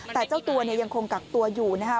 แต่เจ้าตัวยังคงกักตัวอยู่นะคะ